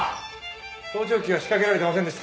盗聴器は仕掛けられてませんでした。